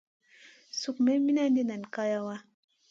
Suk me minandi nen kaleya.